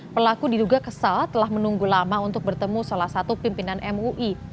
pelaku diduga kesal telah menunggu lama untuk bertemu salah satu pimpinan mui